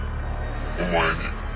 お前に。